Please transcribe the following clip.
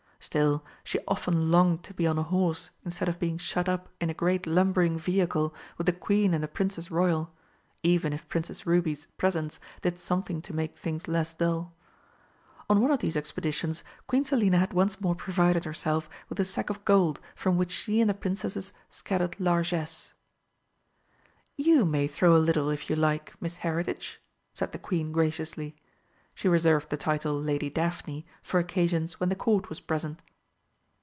Still, she often longed to be on a horse instead of being shut up in a great lumbering vehicle with the Queen and the Princess Royal, even if Princess Ruby's presence did something to make things less dull. On one of these expeditions Queen Selina had once more provided herself with a sack of gold from which she and the Princesses scattered largesse. "You may throw a little if you like, Miss Heritage," said the Queen graciously. (She reserved the title "Lady Daphne" for occasions when the Court was present.)